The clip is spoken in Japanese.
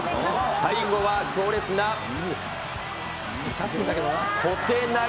最後は強烈な小手投げ。